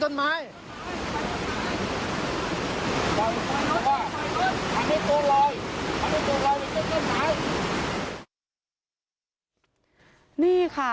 ตอนนี้คนลอยไปที่ต้นไม้